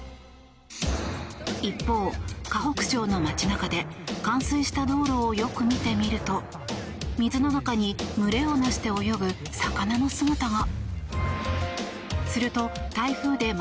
一方、河北省の街中で冠水した道路をよく見てみると水の中に群れを成して泳ぐ魚の姿が。